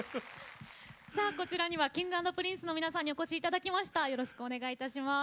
こちらにはＫｉｎｇ＆Ｐｒｉｎｃｅの皆さんにお越しいただきました。